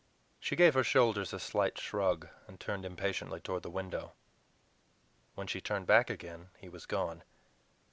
She gave her shoulders a slight shrug, and turned impatiently toward the window. When she turned back again he was gone.